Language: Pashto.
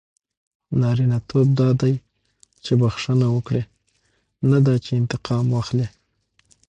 نارینه توب دا دئ، چي بخښنه وکړئ؛ نه دا چي انتقام واخلى.